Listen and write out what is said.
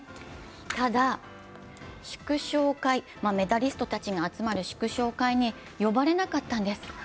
ただ、メダリストたちが集まる祝勝会に呼ばれなかったんです。